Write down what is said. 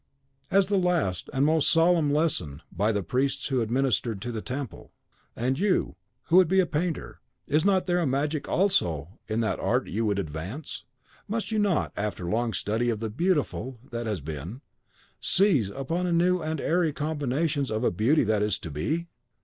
As the last and most solemn lesson, by the Priests who ministered to the Temple. (Psellus de Daemon (MS.)) And you, who would be a painter, is not there a magic also in that art you would advance? Must you not, after long study of the Beautiful that has been, seize upon new and airy combinations of a beauty that is to be?